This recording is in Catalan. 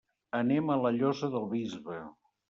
Anem a la Llosa del Bisbe.